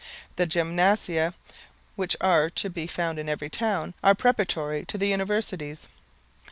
The gymnasia, which are to be found in every town, are preparatory to the universities.